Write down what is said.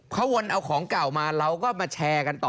เขาวนเอาของเก่ามาเราก็มาแชร์กันต่อ